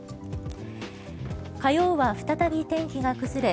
火曜は再び天気が崩れ